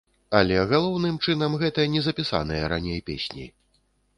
Але, галоўным чынам, гэта незапісаныя раней песні.